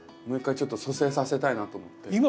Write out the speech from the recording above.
もう一回ちょっと蘇生させたいなと思って。